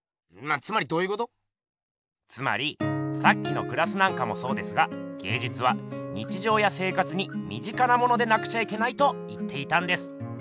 つまりさっきのグラスなんかもそうですが芸術は日じょうや生活にみ近なものでなくちゃいけないと言っていたんです。